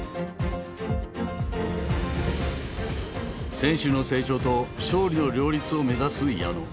選手の成長と勝利の両立を目指す矢野。